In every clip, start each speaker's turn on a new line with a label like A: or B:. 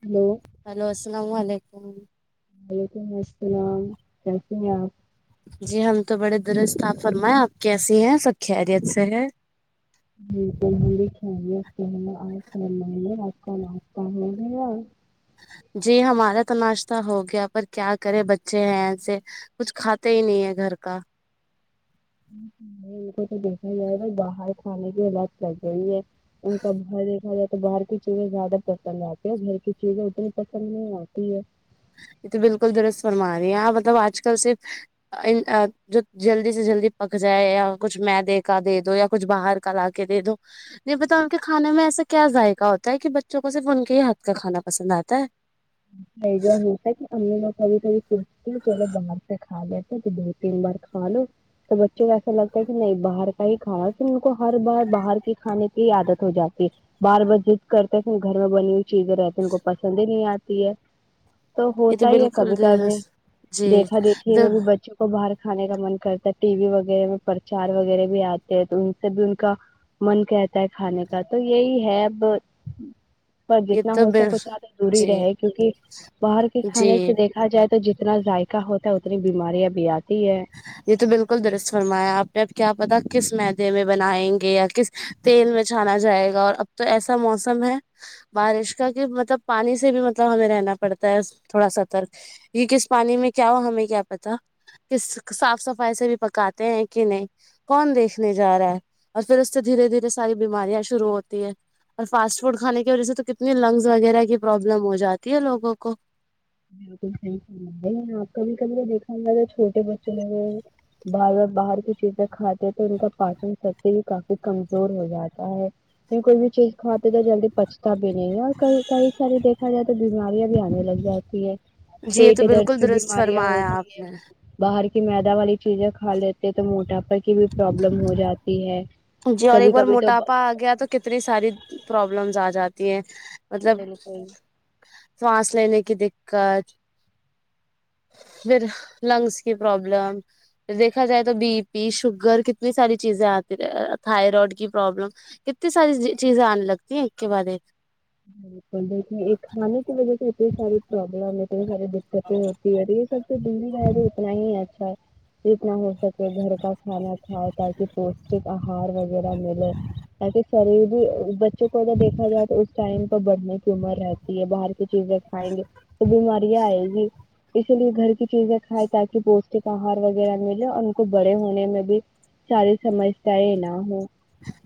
A: hello
B: hello السلام و علیکم
A: وعلیکم السلام کیسی ہے آپ
B: جی ہم تو بڑے درست اپ فرمائے آپ کیسی ہیں سب خیریت سے ہے
A: جی میں بھی خیریت سے ہوں اپ فرمائیے آپ کا ناشتہ ہو گیا [unintelligible]
B: جی ہمارا تو ناشتہ ہو گیا پر کیا کرے بچے ہیں ایسے کچھ کھاتے ہی نہیں ہے گھر کا
A: ان کو تو دیکھا جائے گا باہر کھانے کی لت لگ گئی ہے [unintelligible] ان کا گھر دیکھا جاتا [unintelligible] تو باہر کی چیزیں زیادہ پسند آتی ہے گھر کی چیزیں اتنی پسند نہیں آتی ہے
B: یہ تو بالکل درست فرما رہی ہیں آپ مطلب آج کل صرف جو جلدی سے جلدی پک جائے یا کچھ میدے کا دے دو یا کچھ باہر کا لا کے دے دو نہیں بتاؤ ان کے کھانے میں ایسا کیا ذائقہ ہوتا ہے کہ بچوں کو صرف ان کے ہی ہاتھ کا کھانا پسند آتا ہے [inaudible] [inaudible]
A: [unintelligible] [unintelligible] کھا لیتا کہ دو تین بار کھا لو تو بچوں کو ایسا لگتا ہے کہ نہیں باہر [unintelligible] صحی کہا پھر ان کو ہر بار باہر کے کھانے کی عادت ہو جاتی ہے بار بار جد کرتے ہیں گھر میں بنی ہوئی چیزیں رہتی ہیں ان کو پسند ہی نہیں آتی [unintelligible] تو
B: یہ
A: ہوتا ہی ہے
B: بالکل
A: کبھی کبھی
B: درست- جی یہ
A: دیکھا دیکھی
B: تو
A: میں بھی بچوں کو باہر کھانے کا من کرتا ہے ٹی وی وغیرہ میں پرچار وغیرہ بھی آتے ہیں تو ان سے بھی ان کا من کہتا ہے کھانے کا تو یہی ہے اب پر
B: یہ
A: جتنا
B: تو
A: ہو سکے
B: بال-
A: اتنا تو دوری
B: جی
A: رہے کیونکہ باہر کے کھانے سے
B: جی
A: دیک دیکھا جائے تو جتنا ذائقہ ہوتا ہے اتنی بیماریاں بھی آتی ہے
B: یہی تو بالکل درست فرمایا آپ نے کیا پتا کس میدے میں بنائیں گے یا کس تیل میں چھانا جائے گا اور اب تو ایسا موسم ہے بارش کا کہ مطلب پانی سے بھی مطلب ہمیں رہنا پڑتا ہے تھوڑا سترک یہ کس پانی میں کیا ہو ہمیں کیا پتا ک صاف صفائی سے بھی پکاتے ہیں کہ نہیں کون دیکھنے جا رہا ہے اور پھر اس سے دھیرے دھیرے ساری بیماریاں شروع ہوتی ہے اور فاسٹ فوڈ کھانے کی وجہ سے تو کتنی لنگس وغیرہ کی پروابلم ہو جاتی ہے لوگوں کو
A: بالکل صحی آپ کبھی کبھی دیکھا ہوگا تو چھوٹے بچوں نے [unintelligible] باہر باہر کی چیزیں کا تو ان کا پاچن تنتر بھی کافی کمزور ہو جاتا ہے کی کوئی بھی چیز کھواتے تو جلدی پچتا بھی نہیں ہے اور کئی کئی ساری دیکھا جائے تو بیماریاں بھی آنے لگ جاتی ہے
B: جی یہ
A: پیٹ
B: تو
A: درد
B: بالکل
A: کی
B: درست
A: بیماریاں
B: فرمایا
A: ہوتی
B: آپ
A: ہیں
B: نے
A: باہر کی میدا والی چیزیں کھا لیتے تو موٹاپا کی بھی پرابلم ہو جاتی ہے
B: جی اور ایک
A: کبھی
B: بار
A: کبھی تو
B: موٹاپا آ گیا تو کتنی ساری پرابلمس آ جاتی ہیں مطلب
A: بالکل
B: سانس لینے کی دقت پھر لنگس کی پروابلم دیکھا جائے تو بی پی شوگر کتنی ساری چیزیں آتی رہیں تھائرائڈ کی پروابلم کتنی ساری چیزیں آنے لگتی ہیں ایک کے بعد ایک
A: بالکل بالکل یہ کھانے کی وجہ سے اتنی ساری پرابلم ہے [unintelligible] دقتیں ہوتی ہے اور یہ سب تو دوری ہے اتنا ہی اچھا ہے [unintelligible] جتنا ہو سکے گھر کا کھانا کھائے تاکہ پوشٹک آہار وغیرہ ملے تاکہ شری بھی بچوں کو اگر دیکھا جائے تو ٹائم پ بڑھنے کی عمر رہتی ہے باہر کی چیزیں کھائیں گے تو بیماریاں آئے گی اسی لیے گھر کی چیزیں کھائے تاکہ پوشٹک آہار وغیرہ ملے اور ان کو بڑے ہونے میں بھی ساری سمجھتا ہے نہ ہ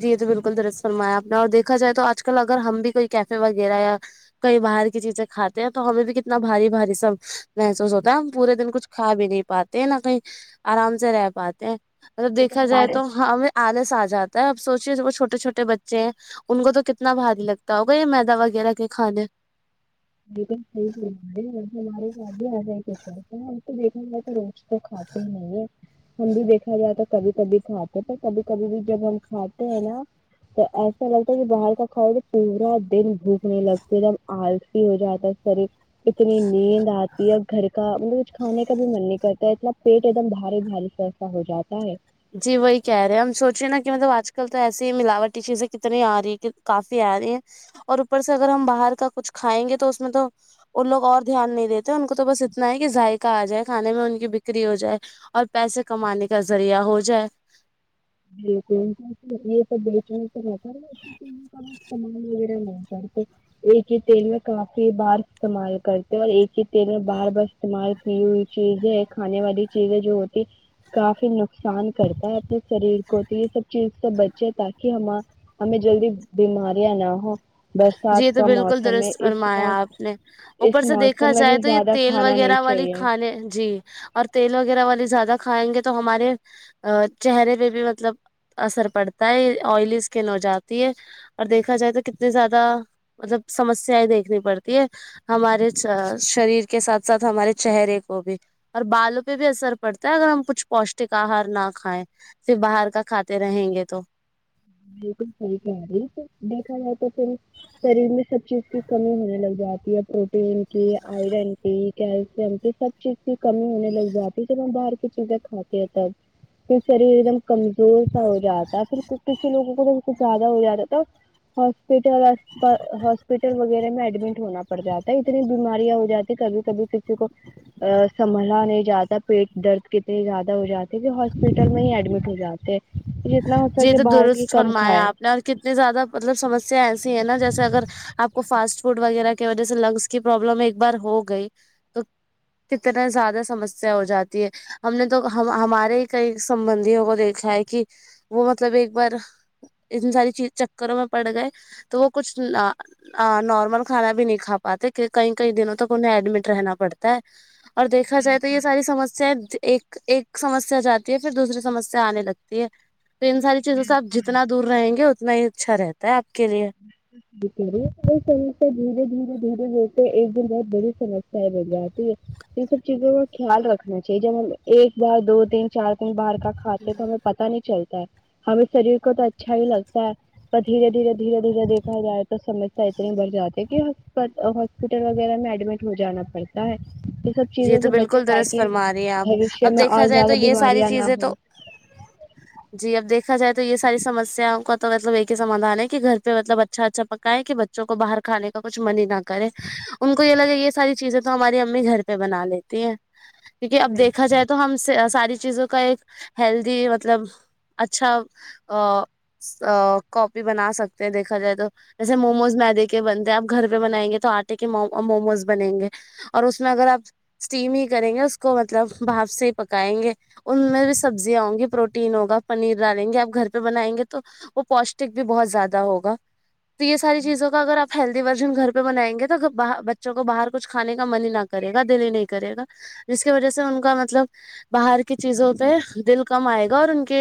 B: جی تو بالکل درس فرمایا اپنا اور دیکھا جائے تو آج کل اگر ہم بھی کوئی کیفے وغیرہ یا کئی باہر کی چیزیں کھاتے ہیں تو ہمیں بھی کتنا بھاری باری سب محسوس ہوتا ہے ہم پورے دن کچھ کھا بھی نہیں پاتے نہ کہیں آرام سے رہ پاتے ہیں جب دیکھا جائے تو ہم آلس آ جاتا تب سوچے وہ چھوٹے چھٹے بچے ہیں ان کو تو کتنا بھاری لگتا ہوگا یہ میدا وغیرہ کے کھانے
A: گ مطے ہمارے گ بھی آ جائے تو تو دیکھ رہ تو کھاتی نہیں ہے ہم بھی دیکھا جاتا کبھی کبھی کھاتے تو کبھی کبھی بھی جب ہم کھاتے ہیں نا تو ایسا لگتا ہے کہ باہر کا کھؤا پورا دن بھوکنے لگتی ایک دم آل ہو جاتا ہے سرف اتنی نیند آتی ہے گھر کا مطلب کچھ کھانے کا بھی من نہیں کرتا اتنا پیٹ ایک دم بھاری بھاری س ہو جاتا ہے
B: جی وہی کہہ رہے ہیں ہم سوچے نا کہ مطلب آج کل تو ایسی ہی ملاوٹی چیزیں کتنی آ رہی ہے کافی آ رہی ہیں اور اوپر سے اگر ہم باہر کا کچھ کھائیں گے تو اس میں تو ان لوگ اور دھیان نہیں دیتے ان کو تو بس اتنا ہے کہ ذائقہ آ جائے کھانے میں ان کی بکری ہو جائے اور پیسے کمانے کا ذریعہ ہو جائے
A: ج یہ تو بیچ تو نپر کمال وغیرہ نہیں کرتے ایک ہی تیل میں کافی بار استعمال کرتے اور ایک ہی تیل میں بار بار استعمال کی ہوئی چیزیں کھانے والی چیزیں جو ہوتی کافی نقصان کرتا ہے اپنے شریر تی یہ سب چیز سے بچے تاکہ ہم ہمیں جلدی بیماریاں نہ ہوں
B: جی
A: برسات
B: تو
A: کا
B: بالکل
A: موسم ہے
B: درست
A: اس
B: فرمایا
A: موسم
B: آپ نے اوپر
A: اس
B: سے دیکھا
A: موسم میں
B: جائے
A: بھی
B: تو یہ
A: زیادہ
B: تیل
A: کھانا نہیں
B: وغیرہ والی
A: چاہیے
B: کھانے جی اور تیل وغیرہ والی زیادہ کھائیں گے تو ہمارے ا چہرے پہ بھی مطلب اثر پڑتا ہے آئلی اسکن ہو جاتی ہے اور دیکھا جائے تو کتنی زیادہ مطلب سمسیائیں دیکھنی پڑتی ہے ہمارے شریر کے ساتھ ساتھ ہمارے چہرے کو بھی اور بالوں پہ بھی اثر پڑتا ہے اگر ہم کچھ پوشٹک آہار نہ کھائیں پ باہر کا کھاتے رہیں گے تو
A: بالکل صحیح کہیال رہی دیکھا جائے تو پھر شریر میں سب چیز کی کمی ہونے لگ جاتی ہے ین کی آئرن کی کیلشیم کی سب چیز کی کمی ہونے لگ جاتی ہے جب ہم باہر کی چیزیں کھاتے تب پھر شریر ایک دم کمزور سا ہو جاتا ہے پھر کسی لوگوں کو تو زیادہ ہو جاتا تو ہاسپٹل ہاسپٹل وغیرہ ایڈمٹ ہونا پڑ جاتا ہے اتنی بیماریاں ہو جاتی کبھی کبھی کسی کو سنبھا نہیں جاتا پیٹ درد کتنے زیادہ ہو جاتے ہے کہ ہاسپٹل میں ہی ایڈمٹ ہو جاتے ہیں جتنا ہو
B: جی
A: سکے
B: تو
A: باہر کی
B: درست
A: کم
B: فرمایا
A: کھائے
B: آپ نے اور کتنی زیادہ مطلب سمسیا ایسی ہے نا جیسے اگر آپ کو فاسٹ فوڈ وغیرہ کی وجہ سے لنگس کی پرابلم ایک بار ہو گئی تو کتنا زیادہ سمسیا ہو جاتی ہے ہم نے تو ہمارے ہی کئی سبندوں کو دیکھا ہے کہ وہ مطلب ایک بار ا ساری چیز چکروں میں پڑ گئے تو وہ کچھ نارمل کھانا بھی نہیں کا پاتے کئی کئی دنوں تک انہیں ایڈمٹ رہنا پڑتا اور دیکھا جائے تو یہ ساری سمسیایں ایک ایک سمسیا جاتی ہے پھر دوسری سمسیا آنے لگتی ہے تو ان ساری چیزوں سے آپ جتنا دور رہیں گے اتنا ہی اچھا رہتا ہے آپ کے لیے
A: رہی سم دھیرے دھیرے دھیرے دھیرے ایک دن بہت بڑی سمسیا ہے بڑیک ہے ان سب چیزوں کا خیال رکھنا چاہی جبل ایک بار دو تین چار تین بار کا کھاتے ہیں تو ہمیں پتا نہیں چلتا ہے ہمیں شریر کو تو اچھا ہی لگتا ہے پر دھیرے دھیرے دھیرے دھیرے دیکھا جائے تو سمسیا اتنی بڑھ جاتی ہے کہ ہاسپٹل وغیرہ میں ایڈمٹ ہو جانا پڑتا یہ سب
B: یہ
A: چیزوں
B: تو
A: سے بچے
B: بالکل درست
A: تاکہ
B: فرما رہی ہیں آپ
A: بوشیہ
B: اب
A: میں
B: دیکھا
A: اور
B: جائے تو
A: زیادہ
B: یہ ساری
A: بیماریاں نہ ہوں
B: [inaudible] جی اب دیکا جائے تو یہ ساریمسیاں کا تو مطلب یہی کہ سادھان ہے کہ گ پہ مطلب اچھا اچھا پکائے کہ بچوں کو باہر کھان کا کچھ من ہی نہ کرے ان کو یہ لگے یہ ساری چیزیں تو ہماری امی گھر پ پہ بنا لیتی ہیں کیونکہ اب دیکھا جائے تو ہم ساری چیزوں کا ایک ہیلدی مطلب اچھا ا ا کاپی بنا سکتے ہیں دیکھا جائے تو جیسے موموز میدے کے بنتے ہیں آپ گھر پہ بنائیں گے تو آٹے کے موموز بنیں گے اور اس میں اگر آپ اسٹیم ہی کریں گے اس کو مطلب بھاپ سے پکائیں گے ان میں بھی سبزیاں ہوں گی پروٹین ہوگا پنیر ڈالیں گے آپ گھر پہ بنائیں گے تو وہ پوشٹک بھی بہت زیادہ ہوگا تو یہ ساری چیزوں کا اگر آپ ہیلدی ورژن گھر پہ بنائیں گے تواہ بچوں کو باہر کچھ کھے کا من ہی نہ کرے دلی نہیں کرے گا جس کی وجہ سے ان کا مطلب باہر کی چیزوں پہ دل کم آئے گا اور ان کے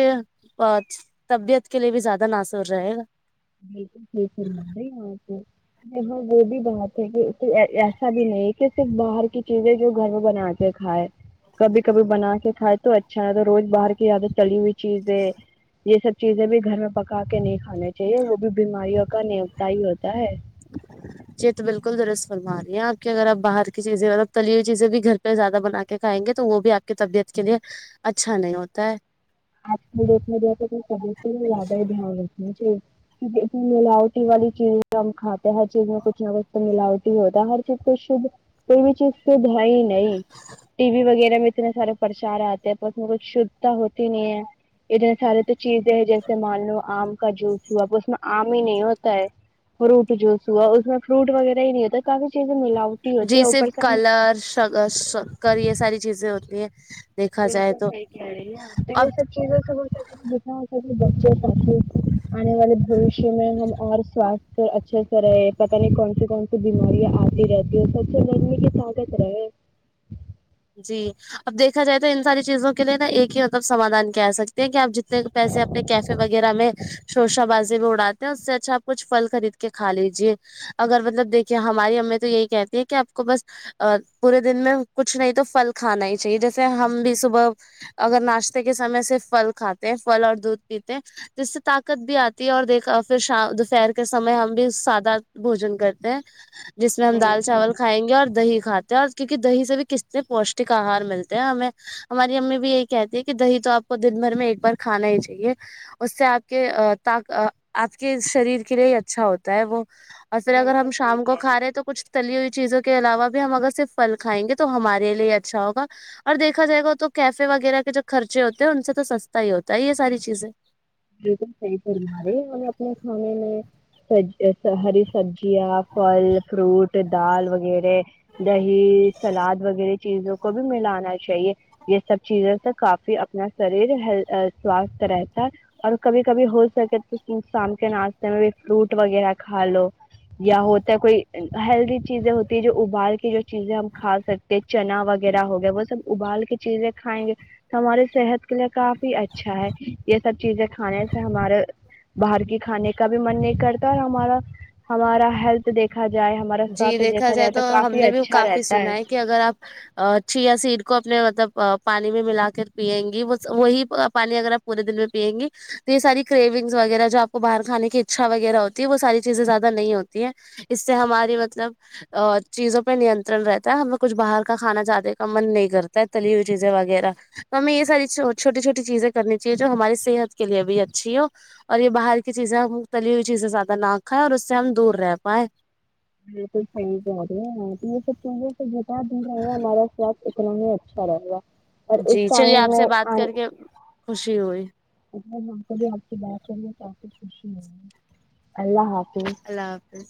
B: طبیعت کے لیے بھی زیادہ ناسور رہے گا
A: بالکل بالکل م ہی آاں تو جی ہاں وہ بھی بات ہے کہ ایسا بھی نہیں ہے کہ صرف باہر کی چیزیں جو گھر میں بنا کائے کبھی کبھی بنا کے کھائے تو اچھا ہے روز باہر کی یادہ تلی ہوئی چیزیں یہ سب چیزیں بھی گھر میں پکا کے نہیں کھانے چاہیے وہ بھی بیماریوں کا نی ہوتا ہی ہوتا ہے
B: [unintelligible] یہی تو بالکل درست فرما رہی ہے آپ کی اگر آپ باہر کی چیزیں مب تلی ہوئی چیزیں بھی گھر پہ زیادہ بنا کے کھائیں گے تو وہ بھی آپ کی طبیعت کے لیے اچھا نہیں ہوتا ہے
A: آج ک ڈیٹ م آ تو سگ سے لدائے دیا مے ملاوٹی والی چیز ہم کاتے ہیں ہر چیز میں کچھ نہ کچھ تو ملاوٹی ہوتا ہے ہر چیز کو شھ تو بھی چیز شھ ہی نہیں ٹی وی وغیرہ میں اتنے سارے پرچار آتے ہیں تو اس میں کھ شدھتا ہو دین اتنے سارے تو چیزیں ہے جیسے مان لو آم کا جوس ہوا اس میں آم ہی نہیں ہوتا ہے فروٹ جوس ہوا اس میں فروٹ وغیرہ نہیں ہے تو کافی چیزیں ملا
B: جی صرف کلر ش شکر یہ ساری چیزیں ہوتی ہیں دیکھا
A: بولک
B: جائے تو
A: فائ کے ن
B: اب
A: پ سب چیوں سے بچوں ت آنے والے بوشیہ میں ہم اور سست س اچھے سے رہے پتاہ نہیں کون سی کون سی بیماریاں آتی رہتی ہے اور سب سے لنے کی طاقت رہے
B: جی اب دیکھا جائے تو ان ساری چیزوں کے لیے نا ایک ہی مطلب سمادھان کہہ سکتے ہیں کہ آپ جتنے پیسے اپنے کیفے وغیرہ میں شوشا باز بھی اڑاتے ہیں اس سے اچھا آپ کچھل خرید کے کھا لیجیے اگر مطلب دیکھیے ہماری ایں تو یہی کہتی ہیں کہ آپ کو بس پورے دن میں کچھ کچھ نہیں تو پھل کھانا ہی چاہیے جیسے ہم بھی صبح اگر ناشتے کے سمے سےر پھل کھاتے ہیں پھل اور دودھ پیتے ہیں جس سے طاقت بھی آتی ہے اور دیکھا پھر شام دوپہر کے سمے ہم بھی سادہ بوجن کرتے ہیں جس میں ہم دال چاول کھائیں گے اور دہی کھاتے ہیں اور کیونکہ دہی سےب کس سے پوشٹک آہار ملتے ہیں ہمیں ہماری امی بھی یہی کہتی ہیں کہ دہی تو آپ کو دن بھر میں ایک بار کھانا ہی چاہیے اس سے آپ کے آپ کے شریر کے لیے ہی اچھا ہوتا ہے وہ اور پھر اگر
A: بالکل
B: ہم
A: صحیح
B: شام کو
A: کہہ رہی
B: کھاے تو کچھ تلی ہوئی چیزوں کے علاوہ بھی ہم اگر صرف پل کھائیں گے تو تو ہمارے لیے اچھا ہوگا اور دیکھا جائے گا تو کیفے وغیرہ کے جو خرچے ہوتے ہیں ان سے تو سستا ہی ہوتا ہے یہ ساری چیزیں
A: بالکل صحیح فرمارہے اور اپنے کھانے میں ہ سبزیاں پھل فروٹ دال وغیرہ دہی سلاد وغیرہ چیزوں کو بھی ملانا چاہیے یہ سب چیزوں سے کافی اپنا شریر سواستھ رہتا ہے اور کبھی کبھی ہو سکے تو شام کے ناشتے میں بھی فروٹ وغیرہ کھا لو یا ہوتا ہے کوئی ہیلدی چیزیں ہوتی ہے جو ابال کے جو چیزیں ہم کھا سکتے ہیں چنا وغیرہ ہو گیا وہ سب ابال کے چیزیں کھائیں گے تو ہمارے صحت کے لیے کافی اچھا ہے یہ سب چیزیں کھانے سے ہمارے باہر کے کھانے کا بھی من نہیں کرتا اور ہمارا ہمارا ہیلتھ دیکھا جائے ہمار
B: جی دیکھا جائے تو ہم نے بھی کافی سنا ہے کہ اگر آپ اچھییا سیر کو اپنے مطلب پانی میں ملا کر پیئیں گی وہی پانی اگر آ پورے دن میں پیئ گی تو یہ ساری کرریونگس وغیرہ جو آ کو باہ کھانے کی اچھا وغیرہ ہو وہ ساری چیزیں زیادہ نہیں ہوتی ہیں اس سے ہماری مطلب ا چیزوں پہ نینترن رہتا ہے ہمیںگ کچھ باہر کا کھانا جانے کا من نہیں کرتا ہے تلی ہوئی چیزیں وغیرہ تو ہمیں یہ ساری چھوٹی چھوٹی چیزیں کرنی چاہیے جو ہماری صحت کے لیے بھی اچھی ہو اور یہ باہر کی چیزیں متلی ہوئی چیزیں زیادہ نہ کھائیں اور اس سے ہم دور رہ پائائے
A: یہ تو صحیح بہ ہے یہ سب چیزوں سے جتا بھی رہےا ہمارا س اچھا رہے گا اور
B: جی
A: ایک ٹائم
B: چلیے آپ سے
A: میں
B: بات کر کے خوشی ہوئی
A: اپ سے بات کر کے خوشی ہو اللہ حافظ
B: اللہ حافظ